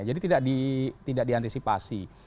jadi tidak diantisipasi